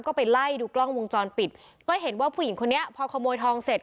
ก็ไปไล่ดูกล้องวงจรปิดก็เห็นว่าผู้หญิงคนนี้พอขโมยทองเสร็จ